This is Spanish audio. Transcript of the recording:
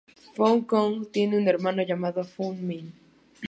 Fou Cong tiene un hermano llamado Fu Min.